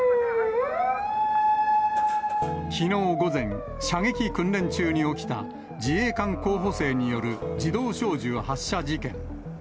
きのう午前、射撃訓練中に起きた、自衛官候補生による自動小銃発射事件。